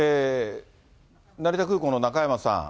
成田空港の中山さん。